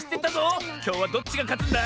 きょうはどっちがかつんだ？